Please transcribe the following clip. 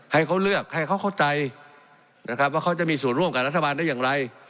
ให้เขาเลือกให้เขาเข้าใจนะครับว่าเขาจะมีส่วนร่วมกับรัฐบาลได้อย่างไร